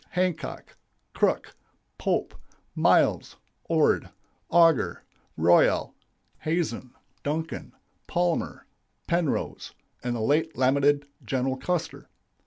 Hancock, Crook, Pope, Miles, Ord, Auger, Royall, Hazen, Duncan, Palmer, Penrose, and the late lamented General Custer.